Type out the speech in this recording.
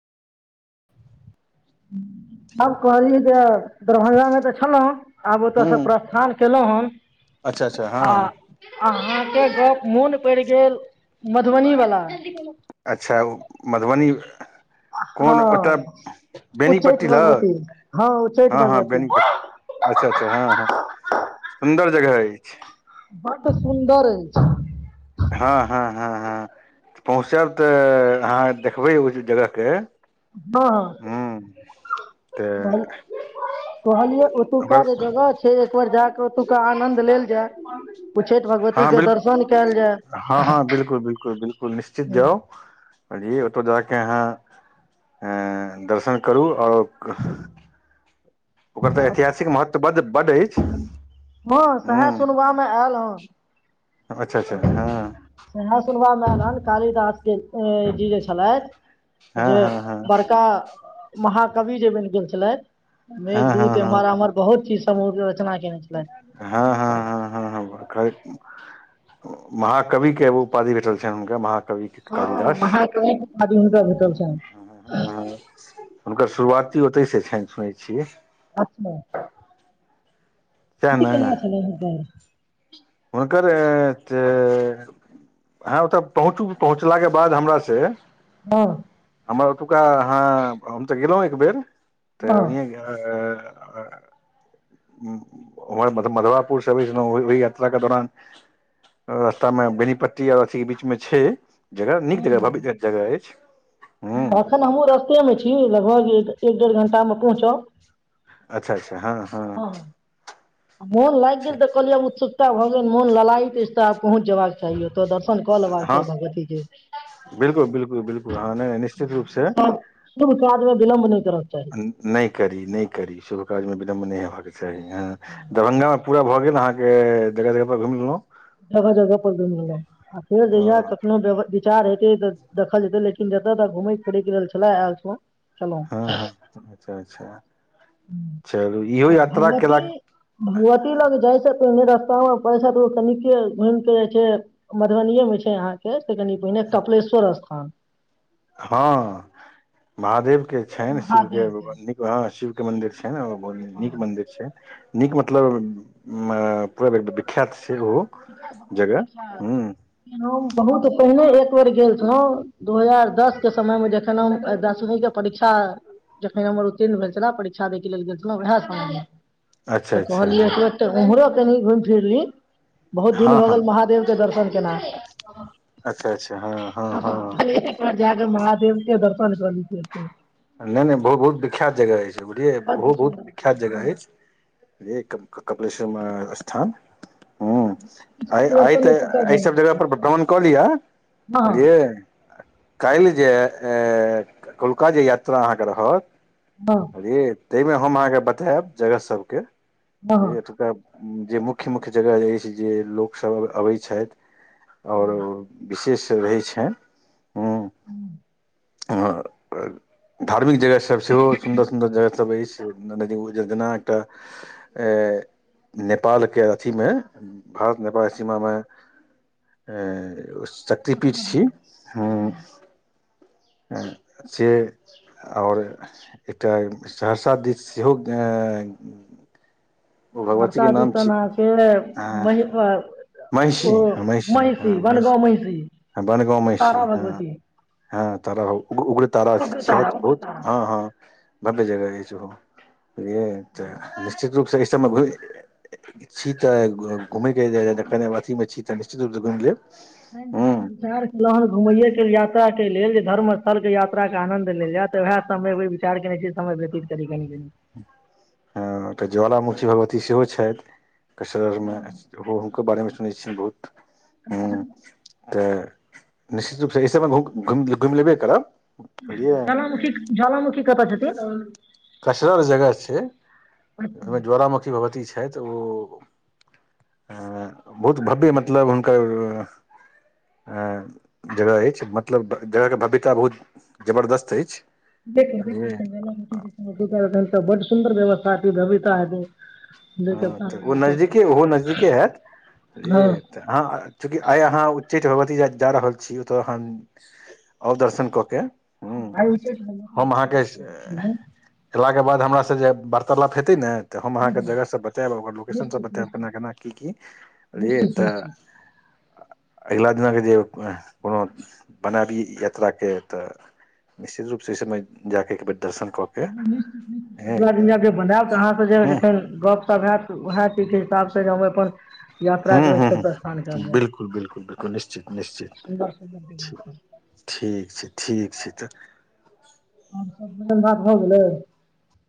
आब कहलिय जे दरभंगामे तऽ छलहु आब ओतऽ सँ हूँ प्रस्थान केलहुँ अच्छा अच्छा हैं आ हँ अहाँकेँ गप मोन पड़ि गेल मधुबनी वाल अच्छा मधुबनी। हँ कोन ओतय उच्चैठ बेनीपट्टी हत भगवती हँ उच्चैठ हँ, हँ भगवती बेनीपट्टी। अच्छा, अच्छा, हँ, हँ सुन्दर जगह अछि। बड़ सुन्दर अछि। हँ, हँ, हँ, पहुँचब तऽ अहाँ देखबै ओहि जगहके। हँ, हँ। हूँ तऽ। कहलियै ओतो का ओकर जे जगह छै एक बेर जााकऽ ओतो का आनन्द लेल जाय उच्चैठ हँ, भगवतीके दर्शन कयल बिल्कूल, जाय हँ हँ बिल्कूल, बिल्कूल निश्चित जाउ जी ओतो ज कऽ अहाँ दर्शन करू ओर। ओकर तऽ हँ ऐतिहासिकऽ महत्व बड्ड अछि। हँ, सएह हूँ सुनबा मे आयल हँ। अच्छा अच्छा हूँ वेहा सुनबा मे ऐल हन कालिदास के जी जे छलथि हँ जे हँ हँ बड़का महाकवि जे बनि गेल छलथि हँ हँ मेघदूत हँ एमहर आमहर बहुत चीज समूहके रचना केने छलैथ हँ हँ हँ हँ हँ करैत महाकवि केँ उपाधि भेटल छनि हुनका महाकवि हँ कालिदास महाकवि केँ उपाधि हुनका भेटल छैन हँ हुनकर शुरुआती ओतहि से छानि सुनै छियै अच्छा सएह की ने केना छलै हुनकर हुनकर ए जे ह ओतऽ पहुँचू पहुँचला केँ बाद हमरा से हँ हमर ओतुका हँ हम तऽ गेलहुँ एक बेेर तऽ हँ [unintelligible] तऽ मधुवपुर से आबै छलै ओहि यात्रा कऽ दौरान रास्ता मऽ बेनीपट्टी आ अथी आ बीच मे छै जगह नीक जगह भव्य जगह अछि हूँ अखन हम्हु रास्ते मे छी लगभग एक डेढ़ घंटा मे पहुँचब अच्छा अच्छा हँ हँ मौन लागि गेल तऽ कहलिए उ चैल ईक्षा भऽ गेल मौन ललाई पहुँच जयबाक चाही ओतऽ दर्शन कऽ लेबाक हँ चाही भगवती केँ बिल्कुल बिल्कुल बिल्कुल हँ नहि निश्चित रूप से सभ शुभ काज मे विलभ नहि करै कऽ चाही न- नहि करी नहि करी शुभ काज मे विलम्ब नहि होेबबाक के चाही दरभंगा मऽ पूरा भऽ गेल अहाँ के जगह जगह पर घुमि लेलहुँ जगह जगह पर घुम लेलहुँ फेर जहिया अ, कखनो [unintelligible] विचार हेतै तऽ देखल जेतै लेकिन जतय तऽ घुमै फिरय केँ छलै आयल छलो [unintelligible] आ हँ हँ अच्छा अच्छा चलू इहो यात्रा केलाक भगवती भगवती लग जाइ सँ पहिले रस्ता मऽ [unintelligible] तकनि [unintelligible] घूम केँ जाय छै मधुबनीे मे छै अहाँ केँ से कनि पहिने कपिलेश्वर स्थान हँ महादेव केँ छनि शिव महादेव केँ के बड़ा नीक हँ शिव केँ मंन्दिर छै [unintelligible] हँ नीक मंदिर छै नीक मतलब पूरा विख्यात छै ओहो विख्यात बहुत जगह विख्यात हूँ हम बहुत पहिने एक बेर गेल छलौ दू हजार दस के समय मे जखैन हम दसवी केँ परीक्षा जखन हमर उत्तीर्ण भेल छलै परीक्षा दैय कऽ लेल गेल छलहुँ वएह समय मे अच्छा तऽ अच्छा कहलियै हँ तुरते उम्हरो केनि घुमि फिर ली बहुत दीन हँ भऽ हँ गेल महादेव केँ दर्शन केना अच्छा अच्छा हँ हँ हँ [unintelligible] और जा कऽ महादेव के दर्शन कऽ [unintelligible] नहि नहि बहु बहुत विख्यात जगह अछि बुझलियै ओहो बड्ड बहुत सुन्दर छै, विख्यात जगह हँ अछि एक कऽ कपिलेश्वर स्थान हुँ किछ आय आई परिवर्तन तऽ एतुका एहि भऽ सब जगह गेल छै। पर भ्रमण कऽ लिअ हँ बुझलियै काल्हि जे ए कोलका जे यात्रा अहाँकेँ रहत हँ [unintelligible] ताहि मे हम अहाँकेँ बतायब जगह सबकेँ हँ हँ एतुका जे मुख्य मुख्य जगह अछि जे लोक सब अबै छथि और विशेष रहै छैन हं धार्मिक जगह सब से हो सुन्दर सुन्दर जगह सब अछि नदी जेना एकटा ऐ नेपाल के अथी में भारत नेपाल सीमा में उस शक्तिपीठ छी हं से और एकटा सहरसा दिस सेहो ओ भगवती के हरसा नाम दिसन छी अहाँके ऐं महि महिषी ओ हं महिषी हँ महिषी बन गाँव महिषी तारा हाँ भगवती हाँ तारा उग्रतारा उग्र तारा छैथ उग्र बहुत तारा हाँ हाँ भव्य जगह अइछ ओहो बुझलियै तऽ निश्चित रूप से सब में घुम छी तऽ घुमै के कऽ अथी में छी तऽ निश्चित रूप सँ घुमि लेब हूँ हड झार [unintelligible] न घुमय के यात्रा के लेल जे धर्म स्थल के यात्रा के आनंद लेल जय त वएह समय चार केने छी समय व्यतीत करी कनी कनी हाँ त ज्वालामुखी भगवती सेहो छैथ [unintelligible] में ओहो हनको बारे में सुनै छियनि बहुत हूँ [inaudible] तऽ निश्चित रूप सँ एहि घुम घुमि लेबे करब बुझलियै ज्वलामुखी ज्वलामुखी कत छथीन कसगर जगह छै ओय मे ज्वालामुखी भगवती छथि ओ बहुत भव्य मतलब हुनकर जगह अछि मतलब जगहके भव्यता बहुत जबरदस्त अछि देखिए बुझलियै देखि [unintelligible] सुन्दर व्यवस्था भत्ता हेतई हँ तऽ ओ नजदीके ओहो नजदीके हँ हयैत अहाँ चूँकि आइ अहाँ उच्चैठ भगवती जा रहल छी ओतय हन आओ दर्शनक के हूँ [unintelligible] एयला के बाद हमरा स जे वार्तालाप हेते ने त हम अहाँके जगह सब बतायब ओभर लोकेशन सब निश्चित बताब केना केना की कि बझलियै निश्चित तऽ निश्चित अगिला दिनाके जे कोनो बनाबी यात्राके तऽ निश्चित रूपसँ समय जाक एकबेर दर्शन कऽ के हँ बनारस तऽ अहाँ सँ जे हूँ जखन गप्प शप हएैत उएह चीके हिसाब सँ जे हम अपन हाँ यात्राके हाँ हाँ प्रस्थान करब बिल्कुल बिल्कुल बिल्कुल निश्चित सुन्दर सुन्दर निश्चित जगहपर ठीक छै ठीक छै तऽ भोजन भात भ गेलए